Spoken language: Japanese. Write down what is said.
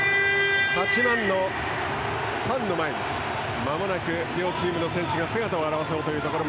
８万のファンの前にまもなく両チームの選手が姿を現そうというところ。